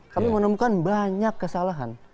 kami menemukan banyak kesalahan